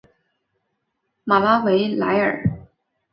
马拉维莱尔。